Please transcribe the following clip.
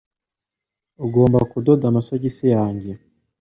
Ugomba kudoda amasogisi yanjye,